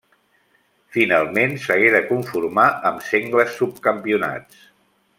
Finalment s'hagué de conformar amb sengles subcampionats.